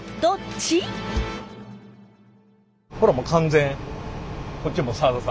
これもう完全こっち澤田さん。